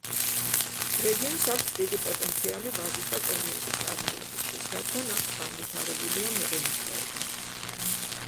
რეგიონს აქვს დიდი პოტენციალი ვაზის და კონიაკის წარმოებისთვის, რადგან აქ განვითარებულია მევენახეობა.